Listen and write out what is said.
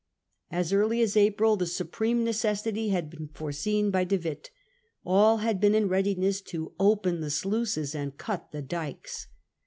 As early as April the supreme necessity had been foreseen by De Witt. . All had been in readiness to open the sluices theTluices; and cut the dykes.